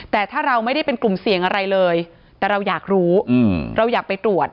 แต่ถ้าเราไม่ได้เป็นกลุ่มเสี่ยงอะไรเลยแต่เราอยากรู้เราอยากไปตรวจ